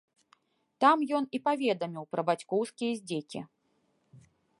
Там ён і паведаміў пра бацькоўскія здзекі.